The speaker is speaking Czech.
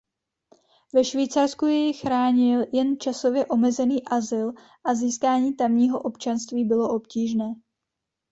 Ve Švýcarsku ji chránil jen časově omezený azyl a získání tamního občanství bylo obtížné.